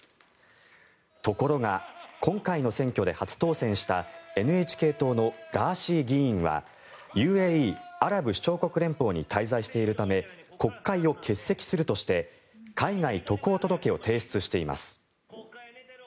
ところが今回の選挙で初当選したＮＨＫ党のガーシー議員はＵＡＥ・アラブ首長国連邦に滞在しているため国会を欠席するとして海外渡航届を提出しています。